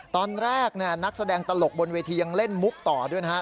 ตอนแรกนักแสดงตลกบนเวทียังเล่นมุกต่อด้วยนะฮะ